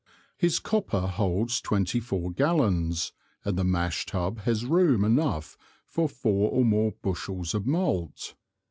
His Copper holds twenty four Gallons, and the Mash Tub has room enough for four and more Bushels of Malt.